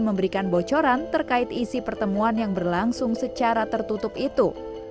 memberikan bocoran terkait isi pertemuan yang berlangsung secara tertutup itu